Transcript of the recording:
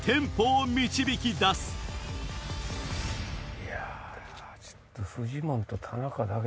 いやちょっと。